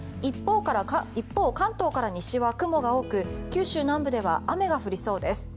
一方、関東から西は雲が多く九州南部では雨が降りそうです。